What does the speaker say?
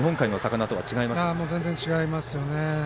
もう全然違いますよね。